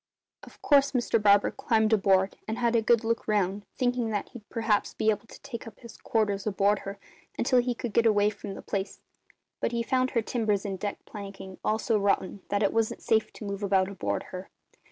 "Of course Mr Barber climbed aboard and had a good look round, thinking that he'd perhaps be able to take up his quarters aboard her until he could get away from the place; but he found her timbers and deck planking all so rotten that it wasn't safe to move about aboard her.